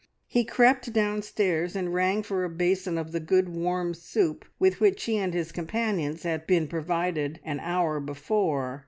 He crept downstairs and rang for a basin of the good warm soup with which he and his companions had been provided an hour before.